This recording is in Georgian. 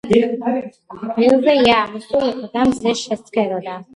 ველზე ია ამოსულიყო და მზეს შესცქეროდა.